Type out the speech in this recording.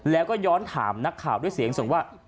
แล้วก็ย้อนถามนักข่าวด้วยเสียงส่งว่า